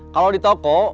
kalau di toko